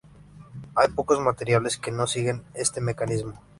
Hay pocos materiales que no siguen este mecanismo.